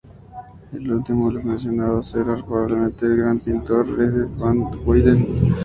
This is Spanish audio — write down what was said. El último de los mencionados era probablemente el gran pintor Rogier van der Weyden.